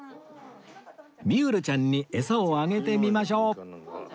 ミュールちゃんにエサをあげてみましょう